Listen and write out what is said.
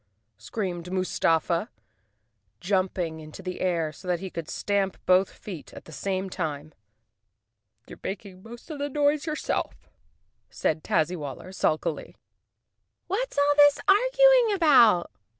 screamed Mustafa, jumping into the air 16 Chapter One so that he could stamp both feet at the same time. " You're making most of the noise yourself," said Taz zywaller sulkily. "What is all this arguing about?"